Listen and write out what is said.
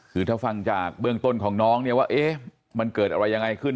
คือถ้าฟังจากเบื้องต้นของน้องเนี่ยว่าเอ๊ะมันเกิดอะไรยังไงขึ้น